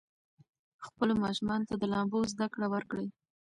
خپلو ماشومانو ته د لامبو زده کړه ورکړئ.